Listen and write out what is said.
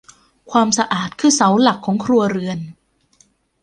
ความสะอาดคือเสาหลักของครัวเรือน